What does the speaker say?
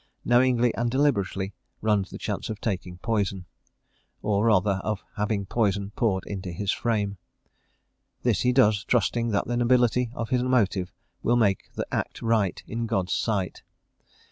knowingly and deliberately runs the chance of taking poison, or rather of having poison poured into his frame. This he does, trusting that the nobility of his motive will make the act right in God's sight.